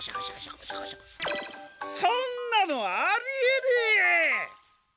そんなのありえねえ。